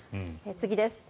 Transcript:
次です。